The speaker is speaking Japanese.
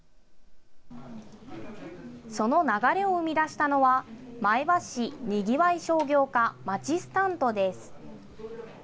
その流れを生み出したのは、前橋市にぎわい商業課マチスタントです。